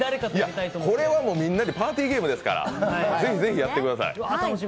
これはもうみんなでパーティーゲームですからぜひぜひやってください。